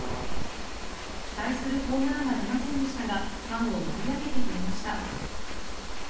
期待するホームランは出ませんでしたがファンを盛り上げてくれました。